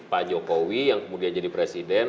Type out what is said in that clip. pak jokowi yang kemudian jadi presiden